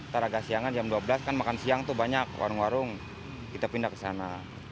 taraga siangan jam dua belas kan makan siang tuh banyak warung warung kita pindah ke sana